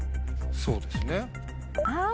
そうですね。